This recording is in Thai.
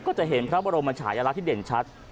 จะเห็นพระบรมชายลักษณ์ที่เด่นชัด